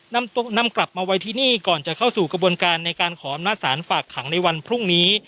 นำกลับมาไว้ที่นี่ก่อนจะเข้าสู่กระบวนการในการขออำนาจศาลฝากขังในวันพรุ่งนี้